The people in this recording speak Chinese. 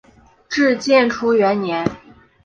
至建初元年。